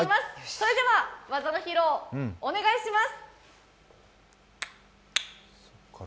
それでは技の披露をお願いします。